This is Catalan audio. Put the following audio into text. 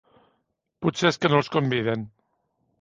Potser és que no els conviden.